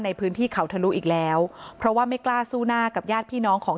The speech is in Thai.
ในพื้นที่เขาทะลุอีกแล้วเพราะว่าไม่กล้าสู้หน้ากับญาติพี่น้องของ